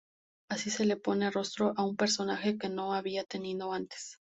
Así se le pone rostro a un personaje que no lo había tenido antes.